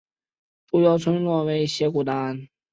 主要村落为斜古丹。